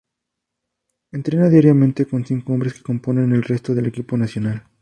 Entrena diariamente con cinco hombres que componen el resto del equipo nacional.